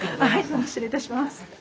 失礼いたします。